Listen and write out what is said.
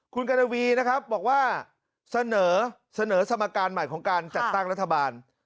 คุณกรณวีนะครับบอกว่าเสนอสมการใหม่ของการจัดตั้งรัฐบาล